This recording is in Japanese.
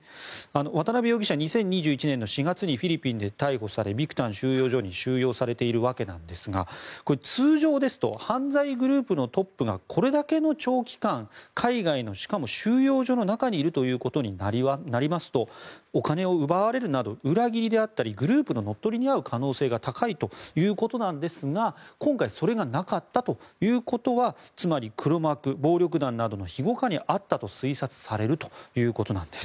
渡邉容疑者、２０２１年４月にフィリピンで逮捕されビクタン収容所に収容されているわけなんですが通常ですと犯罪グループのトップがこれだけの長期間海外のしかも収容所の中にいることになりますとお金を奪われるなど裏切りであったりグループの乗っ取りに遭う可能性があるということですが今回それがなかったということはつまり黒幕、暴力団などの庇護下にあったと推察されるということなんです。